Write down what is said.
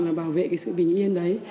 là bảo vệ cái sự bình yên đấy